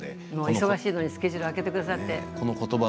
忙しいのにスケジュールを空けてくださって。